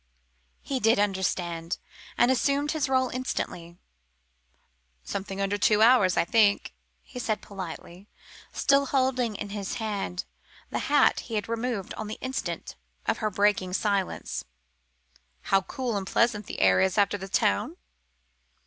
He did understand, and assumed his rôle instantly. "Something under two hours, I think," he said politely, still holding in his hand the hat he had removed on the instant of her breaking silence. "How cool and pleasant the air is after the town!"